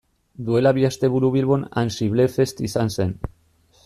Duela bi asteburu Bilbon AnsibleFest izan zen.